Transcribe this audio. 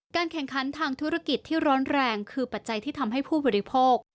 แข่งขันทางธุรกิจที่ร้อนแรงคือปัจจัยที่ทำให้ผู้บริโภค